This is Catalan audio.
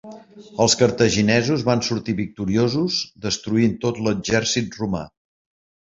Els cartaginesos van sortir victoriosos, destruint tot l'exèrcit romà.